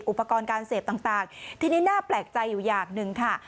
อุปกรณ์การเสพต่างทีนี้น่าแปลกใจอยู่อย่างหนึ่งค่ะ